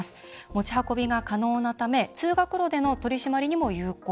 持ち運びが可能なため通学路での取り締まりにも有効。